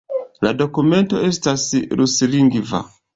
La dokumento estas ruslingva.